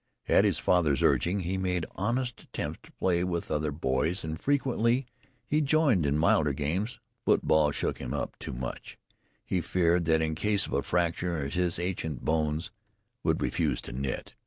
At his father's urging he made an honest attempt to play with other boys, and frequently he joined in the milder games football shook him up too much, and he feared that in case of a fracture his ancient bones would refuse to knit.